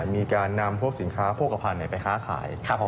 มีการนำผลสินค้าโพควะพันมาค้าขาย